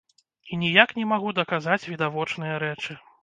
І ніяк не магу даказаць відавочныя рэчы.